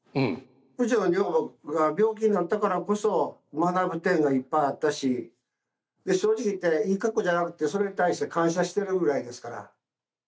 うちの女房が病気になったからこそ学ぶ点がいっぱいあったし正直言っていい格好じゃなくてそれに対して感謝してるぐらいですから。